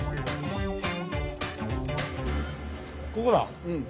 ここだ！